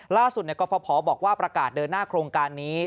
ล่าสุดกรฟภบอกว่าประกาศเดินหน้าโครงการนี้